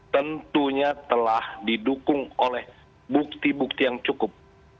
tentunya telah didukung oleh bukti bukti yang cukup